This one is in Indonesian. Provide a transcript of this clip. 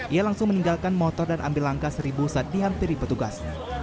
ia langsung meninggalkan motor dan ambil langkah seribu saat dihampiri petugas